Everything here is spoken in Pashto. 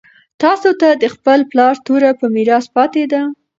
تاسو ته د خپل پلار توره په میراث پاتې ده.